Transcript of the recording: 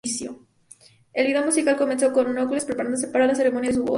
El video musical comienza con Knowles preparándose para la ceremonia de su boda.